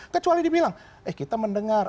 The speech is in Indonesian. kecuali dibilang eh kita mendengar